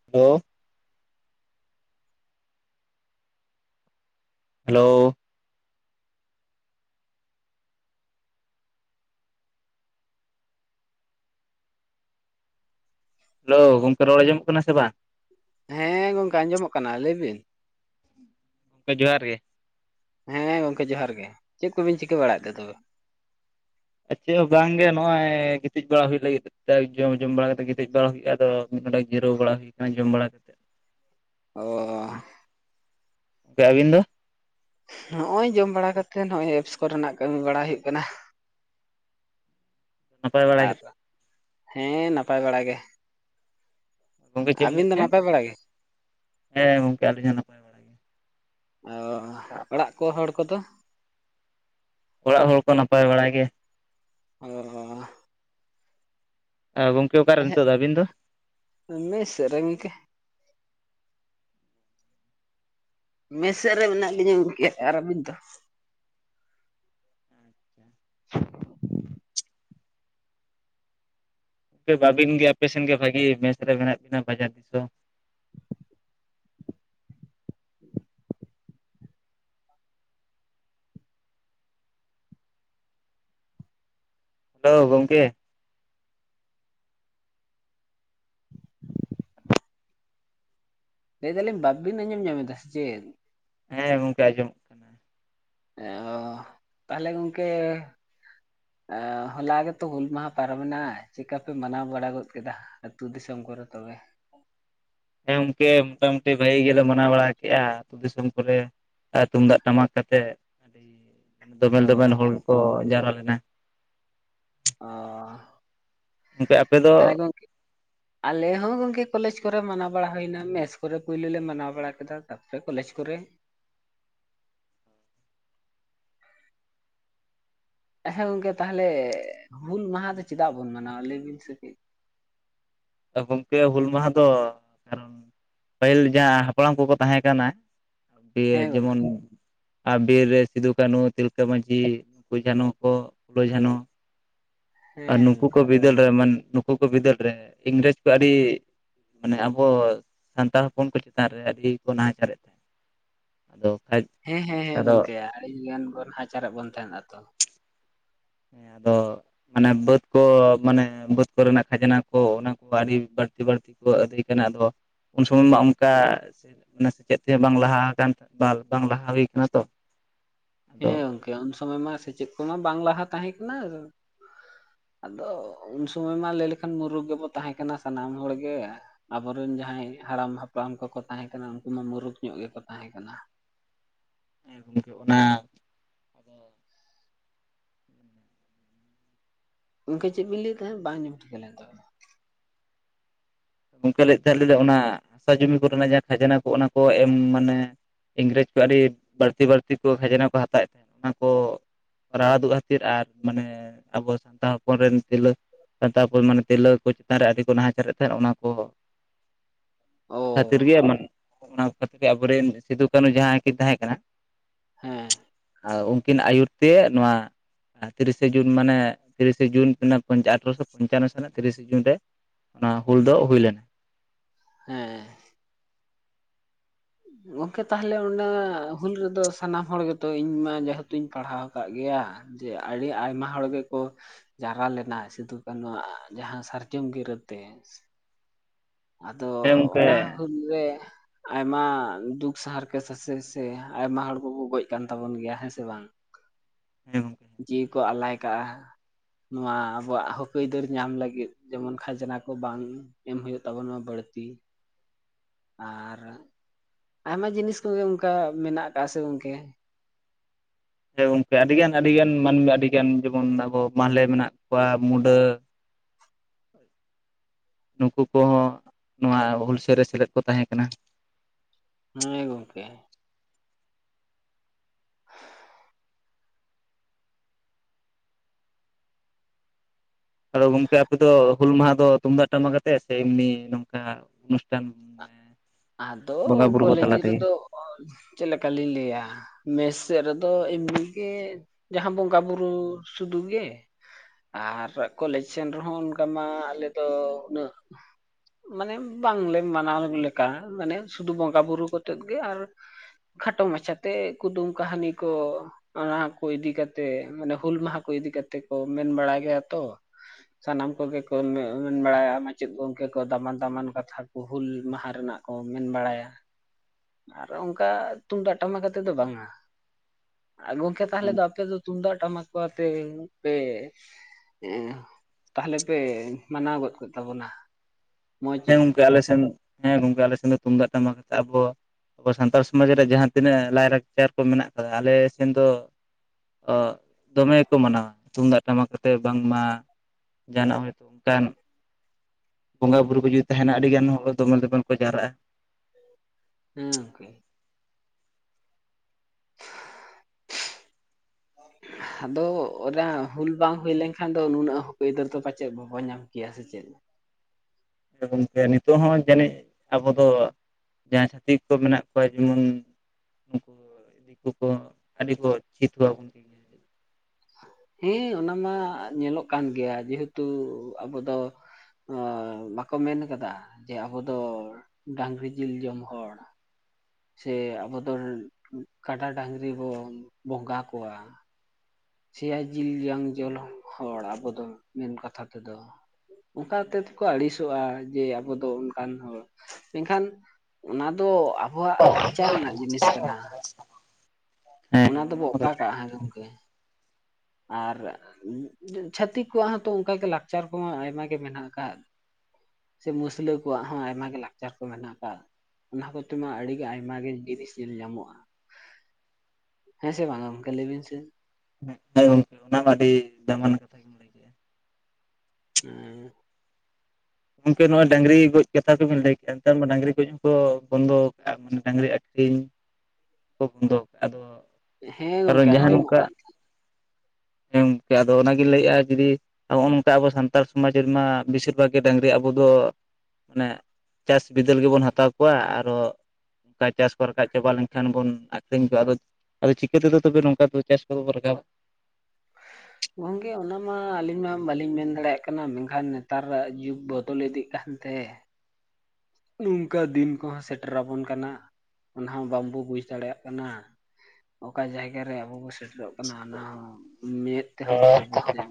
[unintelligible] Hello hello ᱜᱚᱝᱠ ᱨᱚᱲ ᱟᱸᱡᱚᱢᱚᱜ ᱠᱟᱱᱟ ᱥᱮ ᱵᱟ ᱦᱮᱸ ᱜᱚᱝᱠᱮ ᱟᱸᱡᱚᱢᱚᱜ ᱠᱟᱱᱟ ᱞᱟᱹᱭ ᱵᱤᱱ ᱦᱮ ᱡᱚᱦᱟᱨ ᱜᱮ ᱦᱮᱸ ᱜᱚᱝᱠᱮ ᱡᱚᱦᱟᱨ ᱜᱮ ᱪᱮᱫ ᱠᱚᱵᱤᱱ ᱪᱤᱠᱟᱹ ᱵᱟᱲᱟᱭᱮᱫ ᱛᱮ ᱛᱚᱵᱮ ᱪᱮᱫ ᱦᱚᱸ ᱵᱟᱝᱜᱮ ᱱᱚᱜᱼᱚᱭ ᱜᱤᱛᱤᱡ ᱵᱟᱲᱟ ᱦᱩᱭ ᱞᱟᱹᱜᱤᱫ [unintelligible] ᱡᱚᱢ ᱡᱚᱢ ᱵᱟᱲᱟ ᱠᱟᱛᱮ ᱜᱤᱛᱤᱡ ᱵᱟᱲᱟ ᱦᱩᱭᱩᱜᱼᱟ ᱟᱫᱚ ᱢᱤᱫ ᱰᱚᱰᱮᱠ ᱡᱤᱨᱟ. ᱣ ᱵᱟᱲᱟ ᱦᱩᱭᱩᱜ ᱠᱟᱱᱟ ᱡᱚᱢ ᱵᱟᱲᱟ ᱠᱟᱛᱮᱫ ᱚ ᱠᱮ ᱟᱵᱤᱱ ᱫᱚ ᱦᱚᱜ ᱚᱭ ᱡᱚᱢ ᱵᱟᱲᱟ ᱠᱟᱛᱮᱜ ᱱᱚᱜᱱᱚᱭ ᱮᱯᱥ ᱠᱚᱨᱮᱱᱟᱜ ᱠᱟᱹᱢᱤ ᱵᱟᱲᱟ ᱦᱩᱭᱩᱜ ᱠᱟᱱᱟ ᱱᱟᱯᱟᱭ ᱵᱟᱲᱟ ᱟᱨ ᱜᱮᱛᱚ ᱦᱮᱸ ᱱᱟᱯᱟᱭ ᱵᱟᱲᱟ ᱜᱮ ᱜᱚᱝᱠᱮ ᱪᱮᱫ ᱮᱢ ᱟᱵᱤᱱ ᱞᱟᱹᱭᱮᱫ ᱫᱚ ᱛᱟᱦᱮᱸᱫ ᱱᱟᱯᱟᱭ ᱵᱟᱲᱟ ᱜᱮ᱾ ᱦᱮᱸ ᱜᱚᱝᱠᱮ ᱟᱹᱞᱤᱧ ᱦᱚᱸ ᱱᱟᱯᱟᱭ ᱵᱟᱲᱟ ᱜᱮ ᱚ ᱚᱲᱟᱜ ᱠᱚ ᱦᱚᱲ ᱠᱚᱫᱚ? ᱚᱲᱟᱜ ᱦᱚᱲ ᱠᱚ ᱱᱟᱯᱟᱭ ᱵᱟᱲᱟ ᱜᱮ᱾ ᱚ ᱟ ᱜᱚᱝᱠᱮ ᱚᱠᱟᱨᱮ ᱱᱤᱛᱚᱜ ᱫᱚ ᱟᱹᱵᱤᱱ ᱫᱚ? ᱢᱮᱥ ᱥᱮᱫ ᱨᱮ ᱜᱚᱢᱠᱮ ᱢᱮᱥ ᱥᱮᱫ ᱨᱮ ᱢᱮᱱᱟᱜ ᱞᱤᱧᱟᱹ ᱜᱚᱝᱠᱮ ᱟᱨ ᱟᱹᱵᱤᱱ ᱫᱚ᱾ [inaudible] ᱜᱮ ᱵᱟᱵᱤᱱ ᱜᱮ ᱟᱯᱮᱥᱮᱱ ᱜᱮ ᱵᱷᱟᱹᱜᱤ ᱢᱮᱥ ᱨᱮ ᱢᱮᱱᱟᱜ ᱵᱤᱱᱟ ᱵᱟᱡᱟᱨ ᱫᱤᱥᱚᱢ [inaudible] ᱦᱮᱞᱳ ᱜᱚᱝᱠᱮ ᱞᱟᱹᱭ ᱫᱟᱞᱤᱧ ᱵᱟᱵᱵᱤᱱ ᱟᱸᱡᱚᱢ ᱧᱟᱢ ᱫᱟ ᱥᱮ ᱪᱮᱫ ᱦᱮᱸ ᱜᱚᱝᱠᱮ ᱟᱸᱡᱚᱢ ᱮ ᱚᱞ ᱛᱟᱦᱞᱮ ᱜᱚᱝᱠᱮ ᱟ ᱦᱚᱞᱟ ᱜᱮ ᱛᱚ ᱦᱩᱞ ᱢᱟᱦᱟ ᱯᱟᱨᱚᱢᱱᱟ ᱪᱮᱫᱠᱟ ᱯᱮ ᱢᱟᱱᱟᱣ ᱵᱟᱲᱟ ᱜᱚᱫ ᱠᱮᱫᱟ ᱟᱹᱛᱩ ᱫᱤᱥᱚᱢ ᱠᱚᱨᱮ ᱛᱚᱵᱮ ᱦᱮᱸ ᱜᱚᱝᱠᱮ ᱢᱚᱴᱟᱢᱩᱴᱤ ᱵᱷᱟᱹᱜᱤ ᱜᱮᱞᱮ ᱢᱟᱱᱟᱣ ᱵᱟᱲᱟ ᱠᱮᱜᱼᱟ, ᱟᱹᱛᱩ ᱫᱤᱥᱚᱢ ᱠᱚᱨᱮ ᱟᱨ ᱛᱩᱢᱫᱟᱜ ᱴᱟᱢᱟᱠ ᱠᱟᱛᱮ ᱫᱚᱢᱮᱞ ᱚ ᱫᱚᱢᱮᱞ ᱦᱚᱲ ᱜᱮ ᱠᱚ ᱡᱟᱣᱨᱟ ᱞᱮᱱᱟ ᱚ ᱜᱚᱝᱠᱮ ᱟᱯᱮ ᱫᱚ [inaudible] ᱜᱚᱝᱠᱮ ᱟᱞᱮ ᱦᱚᱸ ᱜᱚᱝᱠᱮ ᱠᱚᱞᱮᱡᱽ ᱠᱚᱨᱮ ᱢᱟᱱᱟᱣ ᱵᱟᱲᱟ ᱦᱳᱭᱱᱟ ᱢᱮᱥ ᱠᱚᱨᱮ ᱯᱩᱭᱞᱩ ᱞᱮ ᱢᱟᱱᱟᱣ ᱵᱟᱲᱟ ᱠᱮᱫᱟ ᱛᱟᱯᱚᱨᱮ ᱠᱚᱞᱮᱡᱽ ᱠᱚᱨᱮ ᱦᱮᱸ ᱜᱚᱝᱠᱮ ᱛᱟᱦᱞᱮ ᱦᱩᱞ ᱢᱟᱦᱟ ᱫᱚ ᱪᱮᱫᱟᱜ ᱵᱚᱱ ᱢᱟᱱᱟᱣᱟ ᱞᱟᱹᱭ ᱵᱤᱱ ᱥᱮ ᱠᱟᱹᱡ ᱜᱚᱝᱠᱮ ᱦᱩᱞ ᱢᱟᱦᱟ ᱫᱚ ᱠᱟᱨᱚᱱ ᱯᱟᱹᱦᱤᱞ ᱡᱟᱸᱦᱟ ᱦᱟᱯᱲᱟᱢ ᱠᱚ ᱠᱚ ᱛᱟᱦᱮᱸ ᱠᱟᱱᱟ, ᱫᱤᱭᱮ ᱦᱮᱸ ᱜᱚᱝᱠᱮ ᱡᱮᱢᱚᱱ ᱟᱨ ᱵᱤᱨ ᱨᱮ ᱥᱤᱫᱩ ᱠᱟᱹᱱᱦᱩ ᱛᱤᱞᱠᱟᱹ ᱢᱟᱡᱷᱤ ᱱᱩᱠᱩ ᱡᱷᱟᱱᱚ ᱠᱚ ᱯᱷᱩᱞᱚ ᱡᱷᱟᱱᱚ᱾ ᱟᱨ ᱦᱮᱸ ᱱᱩᱠᱩ ᱜᱚᱝᱠᱮ ᱠᱚ ᱵᱤᱫᱟᱹᱞ ᱨᱮ ᱢᱟᱱ ᱱᱩᱠᱩ ᱠᱚ ᱵᱤᱫᱟᱹᱞ ᱨᱮ ᱤᱝᱨᱮᱡᱽ ᱠᱚ ᱟᱹᱰᱤ ᱢᱟᱱᱮ ᱟᱵᱚ ᱥᱟᱱᱛᱟᱲ ᱦᱚᱯᱚᱱ ᱠᱚ ᱪᱮᱛᱟᱱ ᱨᱮ ᱟᱹᱰᱤ ᱠᱚ ᱱᱟᱦᱟᱪᱟᱨᱮᱫ ᱛᱟᱦᱮᱸᱫ᱾ ᱟᱫᱚ ᱠᱷᱟᱡ ᱦᱮᱸ ᱦᱮᱸ ᱦᱮᱸ ᱟᱫᱚ ᱜᱚᱝᱠᱮ ᱟᱹᱰᱤ ᱜᱟᱱ ᱠᱚ [unintelligible] ᱱᱟᱦᱟᱪᱟᱨᱮᱜ ᱵᱚᱱ ᱛᱟᱦᱮᱸᱱᱟ ᱛᱚ᱾ ᱦᱮᱸ ᱟᱫᱚ ᱢᱟᱱᱮ ᱵᱟᱹᱫᱽ ᱠᱚ ᱢᱟᱱᱮ ᱵᱟᱹᱫᱽ ᱠᱚᱨᱮᱱᱟᱜ ᱠᱷᱟᱡᱽᱱᱟ ᱠᱚ ᱚᱱᱟ ᱠᱚ ᱟᱹᱰᱤ ᱵᱟᱹᱲᱛᱤ ᱵᱟᱹᱲᱛᱤ [inaudible] ᱠᱟᱱᱟ ᱟᱫᱚ ᱩᱱ ᱥᱚᱢᱚᱭ ᱢᱟ ᱚᱱᱠᱟ ᱚᱱᱟ ᱥᱮᱪᱮᱫ ᱛᱮ ᱵᱟᱝ ᱞᱟᱦᱟ ᱟᱠᱟᱱ [unintelligible] ᱵᱟᱝ ᱞᱟᱦᱟ ᱦᱩᱭᱟ ᱠᱟᱱᱟ ᱛᱚ? ᱟᱫᱚ ᱦᱮᱸ ᱜᱚᱝᱠᱮ ᱩᱱ ᱥᱚᱢᱚᱭ ᱢᱟ ᱥᱮᱪᱮᱫ ᱠᱚ ᱢᱟ ᱵᱟᱝ ᱞᱟᱦᱟ ᱛᱟᱸᱦᱮ ᱠᱟᱱᱟ, ᱟᱨ ᱟᱫᱚ ᱩᱱ ᱥᱚᱢᱚᱭ ᱢᱟ ᱞᱟᱹᱭ ᱞᱮᱠᱷᱟᱱ ᱢᱩᱨᱩᱠ ᱜᱮᱵᱚ ᱛᱟᱦᱮᱸᱠᱟᱱᱟ ᱥᱟᱱᱟᱢ ᱦᱚᱲ ᱜᱮ᱾ ᱟᱵᱚᱨᱤᱱ ᱡᱟᱦᱟᱸᱭ ᱦᱟᱲᱟᱢ ᱦᱟᱯᱲᱟᱢ ᱠᱚ ᱠᱚ ᱛᱟᱦᱮᱸ ᱠᱟᱱᱟ ᱩᱱᱠᱩ ᱢᱟ ᱢᱩᱨᱩᱠ ᱧᱚᱜ ᱜᱮ ᱠᱚ ᱛᱟᱦᱮᱸ ᱠᱟᱱᱟ᱾ [inaudible] ᱚᱱᱟ ᱟᱫᱚ ᱜᱚᱝᱠᱮ ᱪᱮᱫ ᱵᱤᱱ ᱞᱟᱹᱭ ᱛᱟᱦᱮᱸᱫ? ᱵᱟᱝ ᱟᱸᱡᱚᱢ ᱴᱷᱤᱠᱟᱹ ᱞᱮᱱ ᱛᱟᱵᱤᱱᱟ᱾ ᱜᱚᱝᱠᱮ ᱞᱟᱹᱭᱮᱫ ᱛᱟᱸᱦᱮᱫ ᱞᱮ ᱚᱱᱟ ᱦᱟᱥᱟ ᱡᱚᱢᱤ ᱠᱚᱨᱮᱱᱟᱜ ᱡᱟᱦᱟᱸ ᱠᱷᱟᱡᱽᱱᱟ ᱠᱚ ᱚᱱᱟ ᱠᱚ ᱮᱢ ᱢᱟᱱᱮ ᱤᱝᱨᱮᱡᱽ ᱠᱚ ᱟᱹᱰᱤ ᱵᱟᱹᱲᱛᱤ ᱵᱟᱹᱲᱛᱤ ᱠᱚ ᱠᱷᱟᱡᱽᱱᱟ ᱠᱚ ᱦᱟᱛᱟᱣᱮᱫ ᱛᱟᱦᱮᱸ ᱱᱟ ᱠᱚ᱾ ᱨᱟᱲᱟ ᱫᱩᱜ ᱠᱷᱟᱹᱛᱤᱨ ᱟᱨ ᱢᱟᱱᱮ ᱟᱵᱚ ᱥᱟᱱᱛᱟᱲ ᱦᱚᱯᱚᱱ ᱨᱮᱱ ᱛᱤᱨᱞᱟᱹ ᱥᱟᱱᱛᱟᱲ ᱦᱚᱯᱚᱱ ᱢᱟᱱᱮ ᱛᱤᱨᱞᱟᱹ ᱠᱚ ᱪᱮᱛᱟᱱ ᱨᱮ ᱟᱹᱰᱤ ᱠᱚ ᱱᱟᱦᱟᱪᱟᱨᱮᱫ ᱛᱟᱦᱮᱸᱫ ᱚᱱᱟ ᱚᱦᱚ ᱚ, ᱛᱤᱨ ᱜᱮ ᱟᱢᱟᱱ ᱚᱱᱟ ᱠᱷᱟᱹᱛᱤᱨ ᱛᱮ ᱟᱵᱚᱨᱤᱱ ᱥᱤᱫᱩ ᱠᱟᱹᱱᱩ ᱡᱟᱦᱟᱸᱭ ᱠᱤᱱ ᱛᱟᱦᱮᱸ ᱠᱟᱱᱟ, ᱦᱮᱸ, ᱟᱨ ᱩᱱᱠᱤᱱ ᱟᱹᱭᱩᱨ ᱛᱮ ᱱᱚᱣᱟ ᱟᱨ ᱛᱤᱨᱤᱥᱮ ᱡᱩᱱ ᱢᱟᱱᱮ ᱛᱤᱨᱤᱥᱮ ᱡᱩᱱ [inaudible] ᱟᱴᱷᱨᱚᱥᱚ ᱯᱚᱧᱪᱟᱱᱱᱚ ᱥᱟᱞ ᱨᱮᱱᱟᱜ ᱛᱤᱨᱤᱥᱮ ᱡᱩᱱ ᱨᱮ ᱚᱱᱟ ᱦᱩᱞ ᱫᱚ ᱦᱩᱭ ᱞᱮᱱᱟ᱾ ᱦᱮᱸ, ᱜᱚᱝᱠᱮ ᱛᱟᱦᱞᱮ ᱚᱱᱟ ᱦᱩᱞ ᱨᱮ ᱫᱚ ᱥᱟᱱᱟᱢ ᱦᱚᱲ ᱜᱮ ᱛᱚ ᱤᱧ ᱢᱟ ᱡᱮᱦᱮᱛᱩᱧ ᱯᱟᱲᱦᱟᱣ ᱠᱟᱜ ᱜᱮᱭᱟ, ᱡᱮ ᱟᱹᱰᱤ ᱟᱭᱢᱟ ᱦᱚᱲ ᱜᱮ ᱠᱚ ᱡᱟᱣᱨᱟ ᱞᱮᱱᱟ ᱥᱤᱫᱩ ᱠᱟᱹᱱᱩᱣᱟᱜ ᱡᱟᱦᱟᱸ ᱥᱟᱨᱡᱚᱢ ᱜᱤᱨᱟᱹ ᱛᱮ, [inaudible] ᱟᱫᱚ ᱦᱮᱸ ᱜᱚᱝᱠᱮ ᱚᱱᱟ ᱦᱩᱞ ᱨᱮ ᱢᱟ ᱫᱩᱠ ᱥᱟᱦᱟᱨ ᱠᱮ ᱥᱟᱥᱮ ᱥᱮ ᱟᱭᱢᱟ ᱦᱚᱲ ᱠᱚ ᱠᱚ ᱜᱚᱡ ᱠᱟᱱ ᱛᱟᱵᱚᱱ ᱜᱮᱭᱟ ᱦᱮᱸ ᱥᱮ ᱵᱟᱝ? [inaudible] ᱜᱚᱝᱠᱮ ᱡᱤᱣᱤ ᱠᱚ ᱟᱞᱟᱭ ᱠᱟᱜᱼᱟ᱾ ᱱᱚᱣᱟ ᱟᱵᱚᱣᱟᱜ ᱦᱚᱠ ᱟᱹᱭᱫᱟᱹᱨ ᱧᱟᱢ ᱞᱟᱹᱜᱤᱫ ᱡᱮᱢᱚᱱ ᱠᱷᱟᱡᱽᱱᱟ ᱠᱚ ᱵᱟᱝ ᱮᱢ ᱦᱩᱭᱩᱜ ᱛᱟᱵᱚᱱ ᱢᱟ ᱵᱟᱹᱲᱛᱤ, ᱟᱨ ᱟᱭᱢᱟ ᱡᱤᱱᱤᱥ ᱠᱚᱜᱮ ᱚᱱᱠᱟ ᱢᱮᱱᱟᱜ ᱟᱠᱟᱜᱟ ᱥᱮ ᱜᱚᱝᱠᱮ? ᱦᱮᱸ ᱜᱚᱝᱠᱮ ᱟᱹᱰᱤ ᱜᱟᱱ ᱟᱹᱰᱤ ᱜᱟᱱ ᱢᱟᱹᱱᱢᱤ ᱟᱹᱰᱤ ᱜᱟᱱ ᱜᱮ ᱵᱚᱱ ᱟᱵᱚ ᱢᱟᱦᱞᱮ ᱢᱮᱱᱟᱜ ᱠᱚᱣᱟ ᱢᱩᱸᱰᱟᱹ ᱱᱩᱠᱩ ᱠᱚᱦᱚᱸ ᱱᱚᱣᱟ ᱦᱩᱞ ᱥᱟᱹᱭ ᱨᱮ ᱥᱮᱞᱮᱫ ᱠᱚ ᱛᱟᱦᱮᱸ ᱠᱟᱱᱟ᱾ ᱦᱮᱸ ᱜᱚᱝᱠᱮ᱾ ᱟᱫᱚ ᱜᱚᱝᱠᱮ ᱟᱯᱮ ᱫᱚ ᱦᱩᱹᱞ ᱢᱟᱦᱟ ᱫᱚ ᱛᱩᱢᱫᱟᱜ ᱴᱟᱢᱟᱠ ᱟᱛᱮᱫ ᱥᱮ ᱮᱢᱱᱤ ᱱᱚᱝᱠᱟ ᱚᱱᱩᱥᱴᱷᱟᱱ [unintelligible] ᱟᱫᱚ ᱵᱚᱸᱜᱟ ᱵᱩᱨᱩ ᱠᱚ ᱠᱚᱞᱮᱡᱽ ᱛᱟᱞᱟ ᱛᱮᱜᱮ ᱨᱮᱫᱚ ᱚ ᱪᱮᱫ ᱞᱮᱠᱟ ᱞᱤᱧ ᱞᱟᱹᱭᱼᱟ, ᱢᱮᱥ ᱥᱮᱫ ᱨᱮ ᱫᱚ ᱮᱢ ᱱᱤ ᱜᱮ ᱡᱟᱸᱦᱟ ᱵᱚᱸᱜᱟ ᱵᱩᱨᱩ ᱥᱩᱫᱩ ᱜᱮ ᱟᱨ ᱠᱚᱞᱮᱡᱽ ᱥᱮᱱ ᱨᱮᱦᱚᱸ ᱚᱱᱠᱟ ᱢᱟ ᱟᱞᱮ ᱫᱚ ᱩᱱᱟᱹᱜ ᱢᱟᱱᱮ ᱵᱟᱝ ᱞᱮ ᱢᱟᱱᱟᱣ ᱞᱮᱠᱟ, ᱢᱟᱱᱮ ᱥᱩᱫᱩ ᱵᱚᱸᱜᱟᱼᱵᱩᱨᱩ ᱠᱟᱛᱮᱫ ᱜᱮ ᱟᱨ ᱠᱷᱟᱴᱚ ᱢᱟᱪᱷᱟ ᱛᱮ ᱠᱩᱫᱩᱢ ᱠᱟᱹᱦᱱᱤ ᱠᱚ, ᱟᱸᱻ ᱠᱚ ᱤᱫᱤ ᱠᱟᱛᱮ ᱢᱟᱱᱮ ᱦᱩᱞ ᱢᱟᱦᱟ ᱠᱚ ᱤᱫᱤ ᱠᱟᱛᱮ ᱠᱚ ᱢᱮᱱ ᱵᱟᱲᱟᱭ ᱜᱮᱭᱟ ᱛᱚ᱾ ᱥᱟᱱᱟᱢ ᱠᱚᱜᱮ ᱠᱚ ᱢᱮ ᱢᱮᱱ ᱵᱟᱲᱟᱭᱟ ᱢᱟᱪᱮᱫ ᱜᱚᱝᱠᱮ ᱠᱚ ᱫᱟᱢᱟᱱ ᱫᱟᱢᱟᱱ ᱠᱟᱛᱷᱟ ᱠᱚ ᱦᱩᱹᱞ ᱢᱟᱦᱟ ᱨᱮᱱᱟᱜ ᱠᱚ ᱢᱮᱱ ᱵᱟᱲᱟᱭᱟ, ᱟᱨ ᱚᱸᱠᱟ ᱛᱩᱢᱫᱟᱜ ᱴᱟᱢᱟᱠ ᱟᱛᱮ ᱫᱚ ᱵᱟᱝᱼᱟ᱾ ᱟᱻᱜᱚᱝᱠᱮ ᱛᱟᱦᱮᱞᱮ ᱫᱚ ᱟᱯᱮ ᱫᱚ ᱛᱩᱢᱫᱟᱜ ᱴᱟᱢᱟᱠ ᱠᱚ ᱟᱛᱮ, ᱯᱮ ᱮᱸᱦ ᱛᱟᱦᱮᱞᱮ ᱯᱮ ᱢᱟᱱᱟᱣ ᱜᱚᱫ ᱠᱮᱫ ᱛᱟᱵᱚᱱᱟ! ᱢᱚᱸᱡᱽ ᱦᱮᱸ ᱧᱚᱜ ᱜᱚᱝᱠᱮ ᱟᱞᱮ ᱥᱮᱱ, ᱦᱮᱸ ᱜᱚᱝᱠᱮ ᱟᱞᱮ ᱥᱮᱱ ᱫᱚ ᱛᱩᱢᱫᱟᱜ ᱴᱟᱢᱟᱠ ᱟᱛᱮ ᱟᱵᱚᱣᱟᱜ ᱟᱵᱚ ᱥᱟᱱᱛᱟᱲ ᱥᱚᱢᱟᱡᱽ ᱨᱮᱱᱟᱜ ᱡᱟᱦᱟᱸ ᱛᱤᱱᱟᱹᱜ ᱞᱟᱭᱼᱞᱟᱠᱪᱟᱨ ᱠᱚ ᱢᱮᱱᱟᱜ ᱟᱠᱟᱫᱟ ᱟᱞᱮ ᱥᱮᱱ ᱫᱚ ᱚᱜ ᱫᱚᱢᱮ ᱠᱚ ᱢᱟᱱᱟᱣᱟ, ᱛᱩᱢᱫᱟᱜ ᱴᱟᱢᱟᱠ ᱟᱛᱮ ᱵᱟᱝ ᱢᱟ ᱡᱟᱦᱟᱸᱱᱟᱜ ᱦᱚᱭ ᱛᱚ‌ ᱚᱱᱠᱟᱱ, ᱵᱚᱸᱜᱟ ᱵᱩᱨᱩᱠ- ᱠᱚ ᱡᱩᱫᱤ ᱛᱟᱦᱮᱸᱱᱟ ᱟᱹᱰᱤ ᱜᱟᱱ ᱦᱚᱲ ᱫᱚᱢᱮᱞ ᱫᱚᱢᱮᱞ ᱠᱚ ᱡᱟᱣᱨᱟᱜᱼᱟ᱾ ᱦᱩᱸᱻᱜᱚᱝᱠᱮ, [inaudible] ᱦᱟᱫᱚ ᱚᱱᱟ ᱦᱩᱹᱞ ᱵᱟᱝ ᱦᱩᱭ ᱞᱮᱱ ᱠᱷᱟᱝ ᱫᱚ ᱱᱩᱱᱟᱹᱜ ᱦᱚᱠ ᱟᱹᱭᱫᱟᱹᱨ ᱫᱚ ᱯᱟᱪᱮᱜ ᱵᱟᱵᱚᱱ ᱧᱟᱢ ᱠᱮᱭᱟ ᱥᱮ ᱪᱮᱫ? [unintelligible] ᱜᱚᱝᱠᱮ ᱱᱤᱛᱚᱜ ᱦᱚᱸ ᱡᱟᱹᱱᱤᱡ ᱟᱵᱚ ᱫᱚ ᱡᱟᱦᱟᱸᱭ ᱪᱷᱟᱹᱛᱤᱠ ᱠᱚ ᱢᱮᱱᱟᱜ ᱠᱚᱣᱟ ᱡᱮᱢᱚᱱ ᱩᱱᱠᱩ [unintelligible] ᱫᱤᱠᱩ ᱠᱚ ᱟᱹᱰᱤ ᱠᱚ ᱪᱷᱤ‌ ᱛᱷᱩ ᱟᱵᱚᱱ ᱜᱮ ᱦᱮᱸ ᱚᱱᱟ ᱢᱟ ᱧᱮᱞᱚᱜ ᱠᱟᱱ ᱜᱮᱭᱟ ᱡᱮ ᱦᱮᱛᱩ ᱟᱵᱚ ᱫᱚ ᱚᱻᱵᱟᱠᱚ ᱢᱮᱱ ᱟᱠᱟᱫᱟ ᱡᱮ, ᱟᱵᱚ ᱫᱚ ᱰᱟᱺᱜᱽᱨᱤ ᱡᱤᱞ ᱡᱚᱢ ᱦᱚᱲ ᱥᱮ ᱟᱵᱚ ᱫᱚᱞ [unintelligible] ᱠᱟᱰᱟ ᱰᱟᱺᱜᱽᱨᱤ ᱵᱚᱱ ᱵᱚᱸᱜᱟ ᱠᱚᱣᱟ, ᱥᱮᱭᱟ ᱡᱤᱞ ᱡᱟᱝ ᱡᱚᱞ [unintelligible] ᱦᱚᱲ ᱟᱵᱚ ᱫᱚ ᱢᱮᱱ ᱠᱟᱛᱷᱟ ᱛᱮᱫᱚ ᱚᱠᱟᱛᱮᱫ ᱠᱚ ᱟᱹᱲᱤᱥᱚᱜᱼᱟ ᱡᱮ ᱟᱵᱚ ᱫᱚ ᱚᱱᱠᱟᱱ ᱦᱚᱲ, ᱢᱮᱱᱠᱷᱟᱱ ᱚᱱᱟ ᱫᱚ ᱟᱵᱷᱚᱣᱟᱜ ᱞᱟᱠᱪᱟᱨ ᱨᱮᱱᱟᱜ ᱡᱤᱱᱤᱥ ᱠᱟᱱᱟ᱾ ᱦᱮᱸ ᱚᱱᱟ ᱫᱚᱵᱚ ᱢᱟ ᱚᱠᱟ ᱠᱟᱛᱷᱟ ᱠᱟᱜᱼᱟ, ᱦᱮᱸ ᱜᱚᱝᱠᱮ? ᱟᱨ [unintelligible] ᱪᱷᱟᱹᱛᱤᱠ ᱠᱚᱣᱟᱜ ᱦᱚᱸᱛᱚ ᱚᱸᱠᱟ ᱜᱮ ᱞᱟᱠᱪᱟᱨ ᱠᱚᱢᱟ ᱟᱭᱢᱟ ᱜᱮ ᱢᱮᱱᱟᱜ ᱟᱠᱟᱫ, ᱥᱮ ᱢᱩᱥᱞᱟᱹ ᱠᱚᱣᱟᱜ ᱦᱚᱸ ᱟᱭᱢᱟ ᱜᱮ ᱞᱟᱠᱪᱟᱨ ᱠᱚ ᱢᱮᱱᱟᱜ ᱟᱠᱟᱜ᱾ ᱚᱱᱟᱦ ᱠᱚᱛᱮ‌ ᱢᱟ ᱟᱹᱰᱤ ‌ᱜᱮ ᱟᱭᱢᱟ ᱜᱮ ᱡᱤᱱᱤᱥ ᱧᱮᱞ ᱧᱟᱢᱚᱜᱼᱟ, ᱦᱮᱸ ᱥᱮ ᱵᱟᱝᱼᱟ ᱜᱚᱝᱠᱮ ᱞᱟᱹᱭ ᱵᱤᱱ ᱥᱮ? [unintelligible] ᱦᱮᱸ ᱜᱚᱝᱠᱮ ᱚᱱᱟ ᱢᱟ ᱟᱹᱰᱤ ᱫᱟᱢᱟᱱ ᱠᱟᱛᱷᱟ ᱜᱮᱢ ᱞᱟᱹᱭ ᱠᱮᱫᱼᱟ ᱦᱮᱸ ᱻ ᱜᱚᱝᱠᱮ ᱱᱚᱣᱟ ᱰᱟᱺᱜᱽᱨᱤ ᱜᱚᱡ ᱠᱟᱛᱷᱟ ᱠᱚ ᱵᱤᱱ ᱞᱟᱹᱭ ᱠᱮᱜᱼᱟ, ᱮᱱᱛᱟᱱ ᱢᱟ ᱰᱟᱺᱜᱽᱨᱤ ᱠᱚ ᱡᱚᱢ ᱠᱚ ᱵᱚᱱ ᱫᱚ ᱟᱠᱟᱜᱼᱟ, ᱢᱟᱱᱮ ᱰᱟᱺᱜᱽᱨᱤ ᱟᱹᱠ ᱨᱤᱧ ᱠᱚ ᱵᱚᱸᱫᱚ ᱟᱠᱟᱜᱼᱟ, ᱟᱫᱚ ᱦᱮᱸ ᱟᱨᱳ ᱜᱚᱢᱠᱮ ᱡᱟᱦᱟᱸᱱ ᱟᱸᱡᱚᱢᱚᱜ ᱠᱟᱱᱟ ᱠᱚᱣᱟᱜ ᱦᱮᱸ ᱜᱚᱝᱠᱮ ᱟᱫᱚ ᱚᱱᱟ ᱜᱤᱧ ᱞᱟᱹᱭᱮᱼᱟ, ᱡᱩᱫᱤ ᱱᱚᱜ ᱱᱚᱝᱠᱟ ᱟᱵᱚ ᱥᱟᱱᱛᱟᱲ ᱥᱚᱢᱟᱡᱽ ᱨᱮᱢᱟᱜ ᱵᱤᱥᱤᱨ ᱵᱷᱟᱜᱽ ᱜᱮ ᱰᱟᱺᱜᱽᱨᱤ ᱟᱵᱚ ᱫᱚ ᱢᱟᱱᱮᱜ ᱪᱟᱥ ᱵᱤᱫᱟᱹᱞ ᱜᱮ ᱵᱚᱱ ᱦᱟᱛᱟᱣ ᱠᱚᱣᱟ ᱟᱨᱚᱜ ᱠᱟ ᱪᱟᱥ ᱠᱚ ᱨᱟᱠᱟᱵ ᱪᱟᱵᱟ ᱞᱮᱱ ᱠᱷᱟᱱ ᱵᱚᱱ ᱟᱹᱠᱷᱨᱤᱧ ᱠᱚᱣᱟ ᱟᱫᱚᱡ- ᱟᱫᱚ ᱪᱤᱠᱟᱹ ᱛᱮᱫᱚ ᱛᱚᱵᱮ ᱱᱚᱝᱠᱟ ᱫᱚ ᱪᱟᱥ ᱠᱚᱫᱚ ᱵᱚ ᱨᱟᱠᱟᱵᱟ? [inaudible] ᱜᱚᱝᱠᱮ ᱚᱱᱟ ᱢᱟ ᱟᱹᱞᱤᱧ ᱢᱟ ᱵᱟᱹᱞᱤᱧ ᱢᱮᱱ ᱫᱟᱲᱮᱭᱟᱜ ᱠᱟᱱᱟ, ᱢᱮᱸᱠᱷᱟᱱ ᱱᱮᱛᱟᱨ ᱨᱟᱜ ᱡᱩᱜᱽ ᱵᱚᱫᱚᱞ ᱤᱫᱤᱜ ᱠᱟᱱᱛᱮ ᱱᱚᱝᱠᱟ ᱫᱤᱱ ᱠᱚᱦᱚᱸ ᱥᱮᱴᱮᱨᱟᱵᱚᱱ ᱠᱟᱱᱟ, ᱚᱱᱟᱦᱚᱸ ᱵᱟᱝᱵᱚ ᱵᱩᱡ ᱫᱟᱲᱮᱭᱟᱜ ᱠᱟᱱᱟ, [inaudible] ᱚᱠᱟ ᱡᱟᱭᱜᱟ ᱨᱮ ᱟᱵᱚ ᱵᱚ ᱥᱮᱴᱮᱨᱚᱜ ᱚᱱᱟᱼᱟᱱᱟ ᱦᱚᱸ ᱢᱮᱫ ᱛᱮᱦᱚᱸ ᱵᱟᱵᱚ ᱵᱩᱡᱷ [inaudible]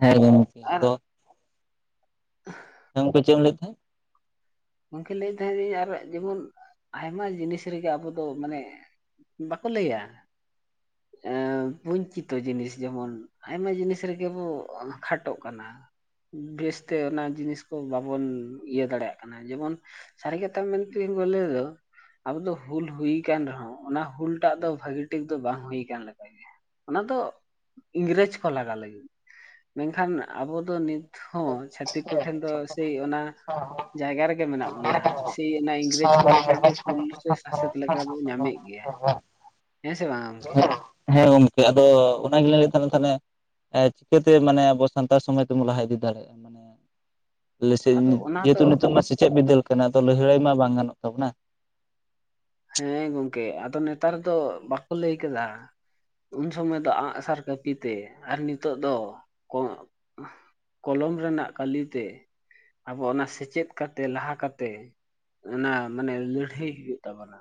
ᱦᱮᱸ ᱜᱚᱝᱠᱮ ᱟᱨ ᱟᱫᱚ [inaudible] ᱦᱮᱸ ᱜᱚᱝᱠᱮ ᱪᱮᱫ ᱮᱢ ᱞᱟᱹᱭᱮᱫ ᱛᱟᱦᱮᱸᱫ? ᱜᱚᱝᱠᱮ ᱞᱟᱹᱭᱮᱫ ᱛᱟᱦᱮᱸ ᱤᱧ ᱟᱨ ᱡᱮᱢᱚᱱ ᱟᱭᱢᱟ ᱡᱤᱱᱤᱥ ᱨᱮᱜᱮ ᱟᱵᱚ ᱫᱚ ᱢᱟᱱᱮᱜ ᱵᱟᱠᱚ ᱞᱟᱹᱭᱟ, ᱮᱸᱻ ᱯᱩᱧ ᱪᱤᱛᱚ ᱡᱤᱱᱤᱥ ᱡᱮᱢᱚᱱ ᱟᱭᱢᱟ ᱡᱤᱱᱤᱥ ᱨᱮᱜᱮ ᱵᱚᱜ ᱠᱷᱟᱴᱚᱜ ᱠᱟᱱᱟ, ᱵᱮᱥᱛᱮ ᱚᱱᱟ ᱡᱤᱱᱤᱥ ᱠᱚ ᱵᱟᱵᱚᱱ ᱤᱭᱟᱹ ᱫᱟᱲᱮᱭᱟᱜ ᱠᱟᱱᱟ, ᱡᱮᱢᱚᱱ ᱥᱟᱨᱤ ᱠᱟᱛᱷᱟ ᱢᱮᱱ ᱛᱤ ᱟᱹᱧ ᱵᱚᱞᱮ ᱫᱚ ᱟᱵᱚ ᱫᱚ ᱦᱩᱞ ᱦᱩᱭ ᱠᱟᱱ ᱨᱮᱦᱚᱸ, ᱚᱱᱟ ᱦᱩᱞ ᱴᱟᱜ ᱫᱚ ᱵᱷᱟᱹᱜᱤ ᱴᱤᱠ ᱫᱚ ᱵᱟᱝ ᱦᱩᱭ ᱠᱟᱱ ᱞᱮᱠᱟ ᱜᱮ᱾ ᱚᱱᱟ ᱫᱚ ᱤᱝᱨᱮᱡᱽ ᱠᱚ ᱞᱟᱜᱟᱜ ᱞᱟᱹᱜᱤᱫ ᱢᱮᱱᱠᱷᱟᱱ ᱟᱵᱚ ᱫᱚ ᱱᱤᱛ ᱦᱚᱸ ᱪᱷᱟᱛᱤᱠ ᱠᱚᱴᱷᱮᱱ ᱫᱚ ᱥᱟᱹᱭ ᱚᱱᱟ ᱡᱟᱭᱜᱟ ᱨᱮᱜᱮ ᱢᱮᱱᱟᱜ ᱵᱚᱱᱟ᱾ ᱥᱮᱭ ᱚᱱᱟ ᱤᱝᱨᱮᱡᱽ ᱠᱚ ᱞᱮᱠᱟᱜᱮ ᱠᱩᱞ ᱥᱮ ᱥᱟᱥᱮᱛ ᱞᱮᱠᱟ ᱵᱚ ᱧᱟᱢᱮᱜ ᱜᱮᱭᱟ᱾ ᱦᱮᱸ ᱥᱮ ᱵᱟᱝᱼᱟ? [unintelligible] ᱦᱮᱸ ᱜᱳᱢ ᱟᱫᱚ ᱚᱱᱟᱜᱮᱞᱮ ᱞᱟᱹᱭᱮ ᱛᱟᱦᱮᱱ ᱛᱟᱦᱞᱮ ᱪᱤᱠᱟᱹᱛᱮ ᱢᱟᱱᱮ ᱟᱵᱚ ᱥᱟᱱᱛᱟᱲ ᱥᱚᱢᱟᱡᱽ ᱫᱚᱵᱚᱱ ᱞᱟᱦᱟ ᱤᱫᱤ ᱫᱟᱲᱮᱭᱟᱜᱼᱟ? ᱞᱮᱥᱮᱜ ᱟᱫᱚ ᱚᱱᱟ ᱫᱚ ᱡᱮᱦᱮᱛᱩ ᱱᱤᱛᱚᱜ ᱢᱟ ᱥᱮᱪᱮᱫ ᱵᱤᱫᱟᱹᱞ ᱠᱟᱱᱟ ᱞᱟᱹᱲᱦᱟᱹᱭ ᱢᱟ ᱵᱟᱝ ᱜᱟᱱᱚᱜ ᱛᱟᱵᱚᱱᱟ᱾ ᱦᱮᱸ ᱜᱚᱢᱠᱮ ᱟᱫᱚ ᱱᱮᱛᱟᱨ ᱫᱚ ᱵᱟᱠᱚ ᱞᱟᱹᱭ ᱠᱟᱫᱟ᱾ ᱩᱱ ᱥᱚᱢᱚᱭ ᱫᱚ ᱟᱸᱜᱼᱥᱟᱨ ᱠᱟᱹᱯᱤ ᱛᱮ ᱟᱨ ᱱᱤᱛᱚᱜ ᱫᱚ ᱠᱚᱸᱜ ᱠᱚᱞᱚᱢ ᱨᱮᱱᱟᱜ ᱠᱟᱹᱞᱤ ᱛᱮ ᱟᱵᱚ ᱚᱱᱟ ᱥᱮᱪᱮᱫ ᱠᱟᱛᱮ ᱞᱟᱦᱟ ᱠᱟᱛᱮ ᱚᱱᱟ ᱢᱟᱱᱮ ᱞᱟᱹᱲᱦᱟᱹᱭ ᱦᱩᱭᱩᱜ ᱛᱟᱵᱚᱱᱟ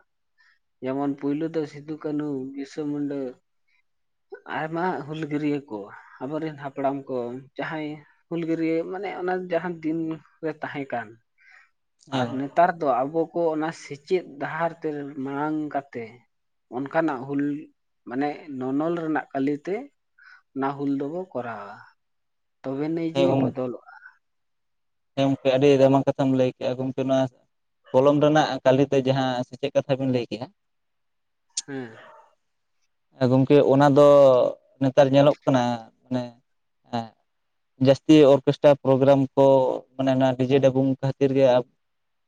ᱡᱮᱢᱚᱱ ᱯᱩᱭᱞᱚ ᱫᱚ ᱥᱤᱫᱩ ᱠᱟᱹᱱᱦᱩ ᱵᱤᱨᱤᱥᱟᱹ ᱢᱩᱱᱰᱟᱹ ᱟᱭᱢᱟ ᱦᱩᱞᱜᱟᱹᱨᱭᱟᱹ ᱠᱚ ᱟᱵᱚᱨᱮᱱ ᱦᱟᱯᱲᱟᱢ ᱠᱚ ᱡᱟᱦᱟᱸᱭ ᱦᱩᱞᱜᱟᱹᱨᱭᱟᱹ ᱢᱟᱱᱮ ᱚᱱᱟ ᱡᱟᱦᱟᱸ ᱫᱤᱱᱨᱮ ᱛᱟᱦᱮᱸ ᱠᱟᱱ, [unintelligible] ᱟᱨ ᱱᱮᱛᱟᱨ ᱫᱚ ᱟᱵᱚ ᱠᱚ ᱚᱱᱟ ᱥᱮᱪᱮᱫ ᱰᱟᱦᱟᱨ ᱛᱮ ᱢᱟᱲᱟᱝ ᱠᱟᱛᱮ ᱚᱱᱠᱟᱱᱟᱜ ᱦᱩᱞ ᱢᱟᱱᱮᱜ ᱱᱚᱱᱚᱞ ᱨᱮᱱᱟᱜ ᱠᱟᱹᱞᱤᱛᱮ ᱚᱱᱟ ᱦᱩᱞ ᱫᱚᱵᱚ ᱠᱚᱨᱟᱣᱟ ᱛᱚᱵᱮ ᱱᱟᱹᱭᱼᱡᱮ ᱦᱮᱸ ᱵᱚᱫᱚᱞᱚᱜᱼᱟ᱾ ᱦᱮᱸ ᱜᱚᱝᱠᱮ ᱟᱹᱰᱤ ᱟᱭᱢᱟ ᱠᱟᱛᱷᱟᱢ ᱞᱟᱹᱭ ᱠᱮᱜᱼᱟ ᱜᱚᱢᱠᱮ ᱱᱚᱣᱟ ᱠᱚᱞᱚᱢ ᱨᱮᱱᱟᱜ ᱠᱟᱞᱤᱛᱮ ᱡᱟᱦᱟᱸ ᱥᱮᱪᱮᱜ ᱠᱟᱛᱷᱟ ᱵᱤᱱ ᱞᱟᱹᱭ ᱠᱮᱜᱼᱟ, ᱦᱮᱸ ᱜᱚᱢᱠᱮ ᱚᱱᱟ ᱫᱚ ᱱᱮᱛᱟᱨ ᱧᱮᱞᱚᱜ ᱠᱟᱱᱟ ᱢᱟᱱᱮ ᱦᱮᱸ ᱡᱟᱹᱥᱛᱤ ᱚᱨᱠᱮᱥᱴᱨᱟ ᱯᱨᱳᱜᱨᱟᱢ ᱠᱚ ᱢᱟᱱᱮ ᱚᱱᱟ ᱰᱤᱡᱮ ᱰᱟᱵᱩᱸ ᱠᱷᱟᱹᱛᱤᱨ ᱜᱮ ᱟᱵ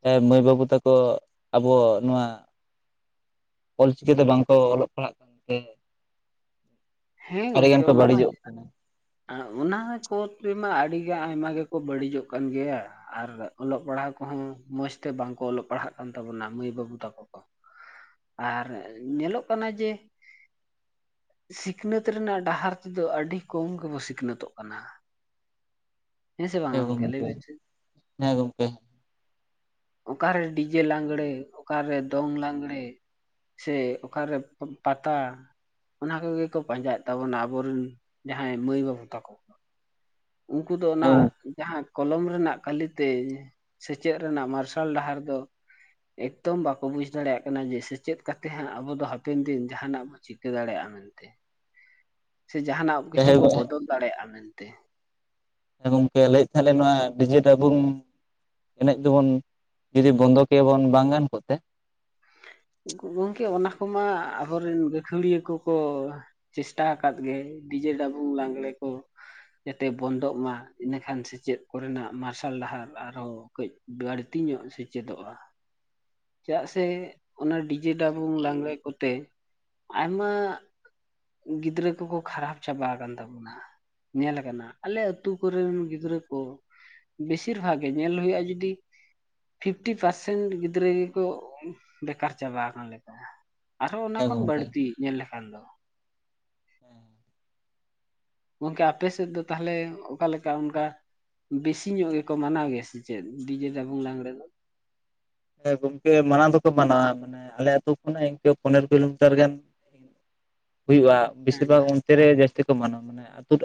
ᱦᱮᱸ ᱢᱟᱹᱭ ᱵᱟᱹᱵᱩ ᱛᱟᱠᱚ ᱟᱵᱚ ᱱᱚᱣᱟ ᱚᱞᱪᱤᱠᱤ ᱛᱮ ᱵᱟᱝᱠᱚ ᱚᱞᱚᱜ ᱯᱟᱲᱦᱟᱜ ᱠᱟᱱᱛᱮ ᱟᱹᱰᱤᱜᱟᱱ ᱠᱚ ᱵᱟᱹᱲᱤᱡᱚᱜ ᱟᱨ ᱚᱱᱟ ᱠᱚᱛᱮᱢᱟ ᱟᱹᱰᱤᱜᱮ ᱟᱭᱢᱟ ᱜᱮᱠᱚ ᱵᱟᱹᱲᱤᱡᱚᱜ ᱠᱟᱱ ᱜᱮᱭᱟ᱾ ᱟᱨ ᱚᱞᱚᱜ ᱯᱟᱲᱦᱟᱜ ᱠᱚᱦᱚᱸ ᱢᱚᱸᱡᱽ ᱛᱮ ᱵᱟᱝᱠᱚ ᱚᱞᱚᱜ ᱯᱟᱲᱦᱟᱜ ᱠᱟᱱ ᱛᱟᱵᱚᱱᱟ ᱢᱟᱹᱭ ᱵᱟᱹᱵᱩ ᱛᱟᱠᱚ ᱠᱚ᱾ ᱟᱨ ᱧᱮᱞᱚᱜ ᱠᱟᱱᱟ ᱡᱮ ᱥᱤᱠ ᱥᱤᱠᱷᱱᱟᱹᱛ ᱨᱮᱱᱟᱜ ᱰᱟᱦᱟᱨ ᱛᱮᱫᱚ ᱟᱹᱰᱤ ᱠᱚᱢ ᱜᱮᱵᱚ ᱥᱤᱠᱷᱱᱟᱹᱛᱚᱜ ᱠᱟᱱᱟ᱾ ᱦᱮᱸ ᱥᱮ ᱵᱟᱝᱼᱟ ᱜᱚᱝᱠᱮ ᱞᱟᱹᱭ ᱵᱤᱱ ᱥᱮ? ᱦᱮᱸ ᱜᱚᱢᱠᱮ ᱚᱠᱟᱨᱮ ᱰᱤᱡᱮ ᱞᱟᱸᱜᱽᱲᱮ ᱚᱠᱟᱨᱮ ᱫᱚᱝ ᱞᱟᱜᱽᱲᱮ ᱥᱮ ᱚᱠᱟᱨᱮ ᱯᱟᱛᱟ ᱚᱱᱟ ᱠᱚᱜᱮ ᱠᱚ ᱯᱟᱸᱡᱟᱭᱮᱫ ᱛᱟᱵᱚᱱᱟ ᱟᱵᱚᱨᱮᱱ ᱡᱟᱦᱟᱸᱭ ᱢᱟᱹᱭ ᱵᱟᱹᱵᱩ ᱛᱟᱠᱚ ᱠᱚ ᱾ ᱩᱱᱠᱩ ᱫᱚ ᱦᱮᱸ ᱚᱱᱟ ᱡᱟᱦᱟᱸ ᱠᱚᱞᱚᱢ ᱨᱮᱱᱟᱜ ᱠᱟᱹᱞᱤᱛᱮ ᱥᱮᱪᱮᱫ ᱨᱮᱱᱟᱜ ᱢᱟᱨᱥᱟᱞ ᱰᱟᱦᱟᱨ ᱫᱚ ᱮᱠᱫᱚᱢ ᱵᱟᱠᱚ ᱵᱩᱡᱽ ᱫᱟᱲᱮᱭᱟᱜ ᱠᱟᱱᱟ ᱡᱮ ᱥᱮᱪᱮᱫ ᱠᱟᱛᱮ ᱦᱟᱸᱜ ᱟᱵᱚ ᱫᱚ ᱦᱟᱯᱮᱱ ᱫᱤᱱ ᱡᱟᱦᱟᱱᱟᱜ ᱵᱚ ᱪᱤᱠᱟᱹ ᱫᱟᱲᱮᱭᱟᱜᱼᱟ ᱢᱮᱱ ᱛᱮ ᱥᱮ ᱡᱟᱦᱟᱱᱟᱜ ᱠᱤᱪᱷᱩ ᱠᱚ ᱜᱚᱝᱠᱮ ᱵᱚᱫᱚᱞ ᱫᱟᱲᱮᱭᱟᱜᱼᱟ ᱢᱮᱱᱛᱮ ᱦᱮᱸ ᱜᱚᱢᱠᱮ ᱞᱟᱹᱭᱮᱫ ᱛᱟᱦᱮ ᱞᱤᱧ ᱱᱚᱣᱟ ᱰᱤᱡᱮ ᱰᱟᱵᱩᱝ ᱮᱱᱮᱡ ᱫᱚᱵᱚᱱ ᱡᱩᱫᱤ ᱵᱚᱱᱫᱚ ᱠᱮᱭᱟᱵᱚᱱ ᱵᱟᱝ ᱜᱟᱱ ᱠᱚᱜ-ᱛᱮ ᱜᱚᱢᱠᱮ ᱚᱱᱟ ᱠᱚᱢᱟ ᱟᱵᱚᱨᱮᱱ ᱜᱟᱠᱷᱩᱲᱤᱭᱟᱹ ᱠᱚᱠᱚ ᱪᱮᱥᱴᱟ ᱟᱠᱟᱫ ᱜᱮ ᱰᱤᱡᱮ ᱰᱟᱵᱩᱝ ᱞᱟᱜᱽᱲᱮ ᱠᱚ ᱡᱟᱛᱮ ᱵᱚᱱᱫᱚᱜ ᱢᱟ ᱤᱱᱟᱹᱠᱷᱟᱱ ᱥᱮᱪᱮᱫ ᱠᱚᱨᱮᱱᱟᱜ ᱢᱟᱨᱥᱟᱞ ᱰᱟᱦᱟᱨ ᱟᱨᱦᱚᱸ ᱠᱟᱹᱡ ᱵᱟᱲᱛᱤ ᱧᱚᱜ ᱥᱮᱪᱮᱫᱚᱜᱼᱟ ᱪᱮᱫᱟᱜ ᱥᱮ ᱚᱱᱟ ᱰᱤᱡᱮ ᱰᱟᱵᱩᱝ ᱞᱟᱝᱲᱮ ᱠᱚᱛᱮ ᱟᱭᱢᱟ, ᱜᱤᱫᱽᱨᱟᱹ ᱠᱚᱠᱚ ᱠᱷᱟᱨᱟᱯ ᱪᱟᱵᱟ ᱟᱠᱟᱱ ᱛᱟᱵᱚᱱᱟ ᱧᱮᱞ ᱟᱠᱟᱱᱟ ᱟᱞᱮ ᱟᱛᱩ ᱠᱚᱨᱮᱱ ᱜᱤᱫᱽᱨᱟᱹ ᱠᱚ ᱵᱮᱥᱤᱨ ᱵᱷᱟᱜᱽ ᱜᱮ ᱧᱮᱞ ᱦᱩᱭᱩᱜᱼᱟ ᱡᱩᱫᱤ ᱯᱷᱤᱯᱴᱤ ᱯᱟᱨᱥᱮᱱᱴ ᱜᱤᱫᱽᱨᱟᱹ ᱜᱮ ᱠᱚ ᱵᱮᱠᱟᱨ ᱪᱟᱵᱟ ᱟᱠᱟᱱᱟ ᱞᱮᱠᱟ ᱟᱨᱦᱚᱸ ᱚᱱᱟ ᱦᱮᱸ ᱠᱷᱚᱱ ᱜᱚᱝᱠᱮ ᱵᱟᱹᱲᱛᱤ ᱧᱮᱞ ᱞᱮᱠᱷᱟᱱ ᱫᱚ ᱜᱚᱝᱠᱮ ᱟᱯᱮ ᱥᱮᱫ ᱫᱚ ᱛᱟᱦᱚᱞᱮ ᱚᱠᱟᱞᱮᱠᱟ ᱚᱱᱠᱟ᱾ ᱵᱮᱥᱤ ᱧᱚᱜ ᱜᱮᱠᱚ ᱢᱟᱱᱟᱣ ᱜᱮᱭᱟ ᱥᱮ ᱪᱮᱫ ᱰᱤᱡᱮ ᱰᱟᱵᱩᱝ ᱞᱟᱜᱽᱲᱮ ᱫᱚ? ᱦᱮᱸ ᱜᱚᱝᱠᱮ ᱢᱟᱱᱟᱣ ᱫᱚᱠᱚ ᱢᱟᱱᱟᱣᱟ ᱢᱟᱱᱮ ᱟᱞᱮ ᱟᱹᱛᱩ ᱠᱷᱚᱱᱟᱜ ᱤᱱᱠᱟᱹ ᱯᱚᱱᱮᱨᱳ ᱠᱤᱞᱳᱢᱤᱴᱟᱨ ᱜᱟᱱ ᱦᱩᱭᱩᱜ-ᱟ ᱵᱮᱥᱤᱨ ᱦᱮᱸ ᱵᱷᱟᱜᱽ ᱚᱱᱛᱮ ᱨᱮ ᱡᱟᱹᱥᱛᱤ ᱠᱚ ᱢᱟᱱᱟᱣᱟ ᱢᱟᱱᱮ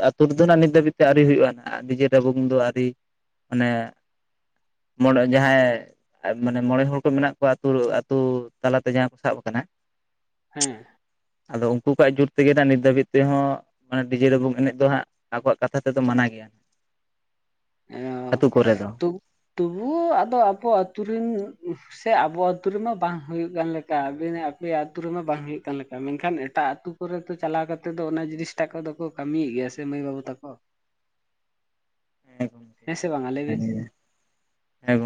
ᱟᱛᱳ ᱨᱮᱫᱚ ᱱᱤᱛ ᱫᱷᱟᱹᱵᱤᱡ ᱛᱮ ᱟᱹᱣᱨᱤ ᱦᱩᱭᱩᱜ-ᱟ ᱦᱟᱜ ᱰᱤᱡᱮ ᱰᱟᱵᱩᱝ ᱫᱚ ᱟᱹᱣᱨᱤ ᱚᱱᱮ ᱢᱚᱬᱮ ᱡᱟᱦᱟᱸᱭ ᱢᱟᱱᱮ ᱢᱚᱬᱮ ᱦᱚᱲ ᱠᱚ ᱢᱮᱱᱟᱜ ᱠᱚᱣᱟ ᱟᱹᱛᱩ ᱟᱹᱛᱩ ᱛᱟᱞᱟᱛᱮ ᱡᱟᱦᱟᱸ ᱠᱚ ᱥᱟᱵ ᱟᱠᱟᱱᱟ᱾ ᱦᱮᱸ ᱟᱫᱚ ᱩᱱᱠᱩ ᱠᱚᱣᱟᱜ ᱡᱩᱨ ᱛᱮᱜᱮ ᱱᱤᱛ ᱫᱷᱟᱹᱵᱤᱡ ᱛᱮᱦᱚᱸ ᱢᱟᱱᱮ ᱰᱤᱡᱮ ᱰᱟᱵᱩᱝ ᱮᱱᱮᱡ ᱫᱚ ᱦᱟᱸᱜ ᱟᱠᱚᱣᱟᱜ ᱠᱟᱛᱷᱟ ᱛᱮᱫᱚ ᱢᱟᱱᱟ ᱜᱮᱭᱟ᱾ ᱟᱹᱛᱩ ᱠᱚᱨᱮ ᱫᱚ᱾ ᱛᱚ ᱛᱚᱵᱩᱣᱳ ᱟᱫᱚ ᱟᱠᱚ ᱟᱹᱛᱩ ᱨᱮᱱ ᱥᱮ ᱟᱵᱚ ᱟᱹᱛᱩ ᱨᱮᱢᱟ ᱵᱟᱝ ᱦᱩᱭᱩᱜ ᱠᱟᱱ ᱞᱮᱠᱟ ᱟᱵᱤᱱ ᱟᱯᱮᱭᱟᱜ ᱟᱹᱛᱩ ᱨᱮᱢᱟ ᱵᱟᱝ ᱦᱩᱭᱩᱜ ᱠᱟᱱ ᱞᱮᱠᱟ ᱢᱮᱱᱠᱷᱟᱱ ᱮᱴᱟᱜ ᱟᱹᱛᱩ ᱛᱟ. ᱣ ᱨᱮᱦᱚᱛᱚ ᱪᱟᱞᱟᱣ ᱠᱟᱛᱮᱜ ᱫᱚ ᱚᱱᱟ ᱡᱤᱱᱤᱥ ᱴᱟ ᱠᱚᱫᱚ ᱠᱚ ᱠᱟᱹᱢᱤᱭᱮᱫ ᱜᱮᱭᱟ ᱥᱮ ᱢᱟᱹᱭ ᱵᱟᱹᱵᱩ ᱛᱟᱠᱚ᱾ ᱦᱮᱸ ᱦᱮᱸᱥᱮ ᱵᱟᱝ ᱠᱟᱛᱷᱟ ᱞᱟ. ᱭ ᱠᱟᱱ ᱵᱤᱱ ᱥᱮ? ᱜᱮᱭᱟ ᱦᱮᱸ ᱜᱚᱢᱠᱮ